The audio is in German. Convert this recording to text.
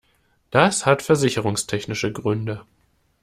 Das hat versicherungstechnische Gründe.